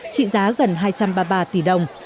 trị giá gần hai trăm ba mươi ba tỷ đồng